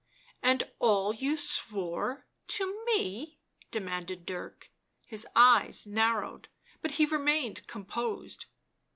"And all you swore — to me?" demanded Dirk; his eyes narrowed, but he remained composed.